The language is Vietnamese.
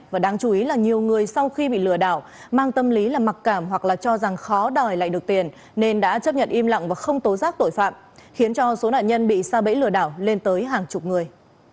và đáng chú ý là nhiều người sau khi bị lừa đảo mang tâm lý là mặc cảm hoặc là cho rằng khó đòi lại được tiền nên đã chấp nhận im lặng và không tố giác tội phạm khiến cho số nạn nhân bị xa bẫy lừa đảo lên tới hàng chục người